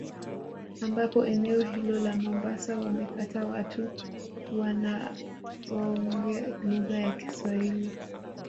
Ambapo eneo hilo la mombasa wamekaa watu wanaoonge lugha ya kiswahili